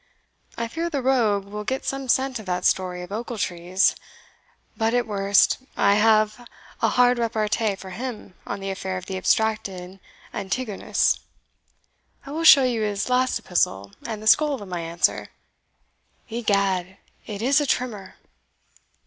I fear the rogue will get some scent of that story of Ochiltree's but at worst, I have a hard repartee for him on the affair of the abstracted Antigonus I will show you his last epistle and the scroll of my answer egad, it is a trimmer!"